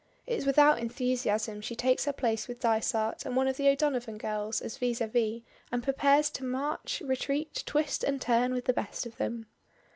It is without enthusiasm she takes her place with Dysart and one of the O'Donovan girls as vis à vis, and prepares to march, retreat, twist and turn with the best of them.